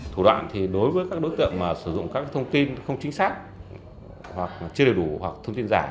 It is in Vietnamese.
sử dụng các thông tin không chính xác chưa đầy đủ hoặc thông tin giả